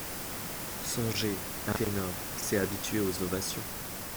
Songez, un ténor, c’est habitué aux ovations…